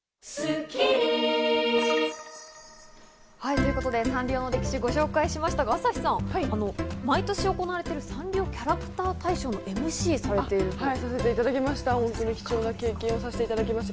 ということでサンリオの歴史をご紹介しましたが、朝日さん、毎年行われているサンリオキャラクター大賞のＭＣをされているんですよね？